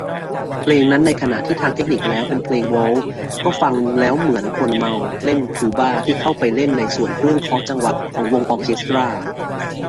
เพลงนั้น ในขณะที่ทางเทคนิคแล้วเป็นเพลงวอลทซ์ ก็ฟังแล้วเหมือนคนเมาเล่นทูบาที่เข้าไปเล่นในส่วนเครื่องเคาะจังหวะของวงออร์เคสตร้า